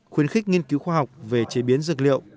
khuyến khích nghiên cứu khoa học về chế biến dược liệu